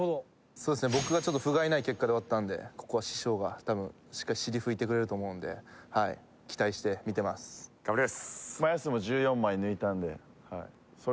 僕がちょっとふがいない結果で終わったんでここは師匠がたぶんしっかり尻拭いてくれると思うんではい頑張りますＯＫ